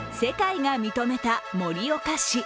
世界が認めた盛岡市。